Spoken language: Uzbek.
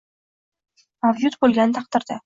mavjud bo‘lgan taqdirda